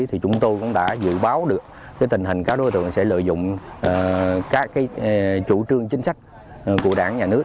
thì chúng tôi cũng đã dự báo được tình hình các đối tượng sẽ lợi dụng các chủ trương chính sách của đảng nhà nước